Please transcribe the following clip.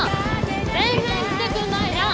全然来てくんないじゃん！